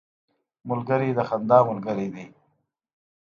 ملګری د خندا ملګری دی